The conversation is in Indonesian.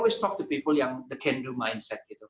saya selalu berbicara dengan orang yang bisa melakukan mindset